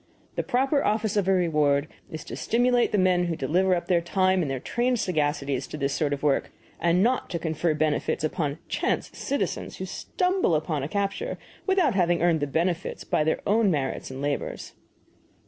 The proper office of a reward is to stimulate the men who deliver up their time and their trained sagacities to this sort of work, and not to confer benefits upon chance citizens who stumble upon a capture without having earned the benefits by their own merits and labors."